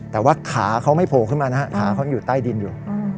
แต่ว่าขาเขาไม่โผล่ขึ้นมานะฮะขาเขายังอยู่ใต้ดินอยู่